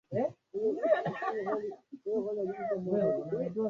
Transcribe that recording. Mkristo anaweza kutumia akili yake pamoja na imani Katika maandishi